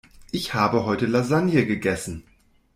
Ich habe heute Lasagne gegessen.